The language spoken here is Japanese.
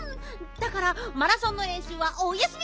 だからマラソンのれんしゅうはお休み！